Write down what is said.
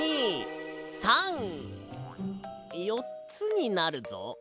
１２３よっつになるぞ。